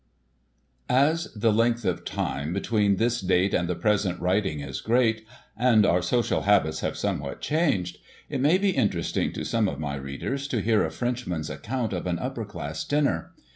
As the length of time between this date, and the present writing is great, and our social habits "have somewhat changed, it may be interesting to some of my readers to hear a French man's account of an upper class dinner.